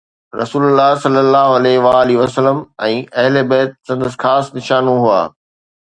رسول الله صلي الله عليه وآله وسلم ۽ اهل بيت سندس خاص نشانو هئا.